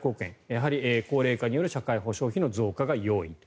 やはり高齢化による社会保障費の増加が要因。